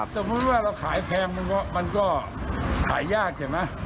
สมมุติว่าเราขายแพงมันก็ขายยากเห็นไหม